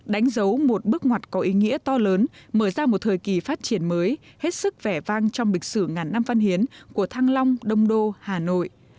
đánh dấu một bước ngoặt có ý nghĩa to lớn mở ra một thời kỳ phát triển mới hết sức vẻ vang trong lịch sử ngàn năm văn hiến của thăng long đông đô hà nội